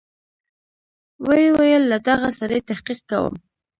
ويې ويل له دغه سړي تحقيق کوم.